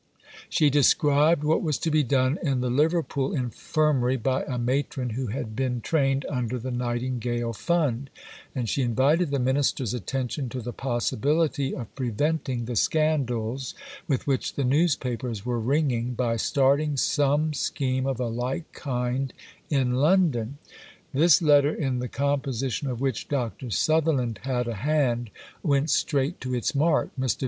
She described what was to be done in the Liverpool Infirmary by a Matron who had been trained under the "Nightingale Fund," and she invited the Minister's attention to the possibility of preventing the scandals, with which the newspapers were ringing, by starting some scheme of a like kind in London. This letter, in the composition of which Dr. Sutherland had a hand, went straight to its mark. Mr.